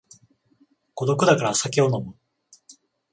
孤独だから酒を飲む